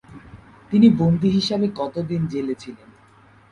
তিনি বন্দী হিসাবে কত দিন জেলে ছিলেন।